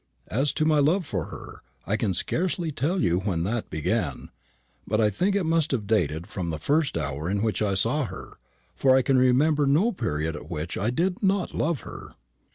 As to my love for her, I can scarcely tell you when that began; but I think it must have dated from the first hour in which I saw her, for I can remember no period at which I did not love her."